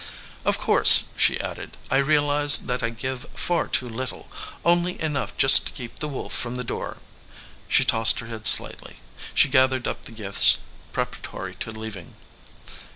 "Of course," she added, "I realize that I give far too little, only enough to just keep the wolf from the door." She tossed her head slightly. She gathered up the gifts pre paratory to leaving.